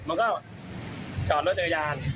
มันก็จอดโดยกระยาน